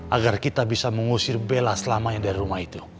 agar kita bisa mengusir bela selamanya dari rumah itu